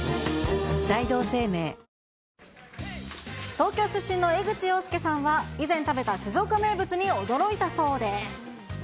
東京出身の江口洋介さんは、以前食べた静岡名物に驚いたそうで。